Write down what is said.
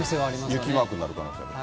雪マークになる可能性も。